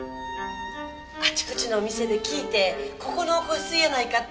あちこちのお店で聞いてここの香水やないかって。